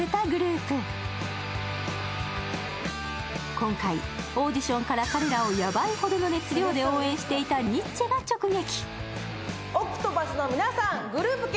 今回、オーディションから彼らをヤバいほどの熱量で応援していたニッチェが直撃。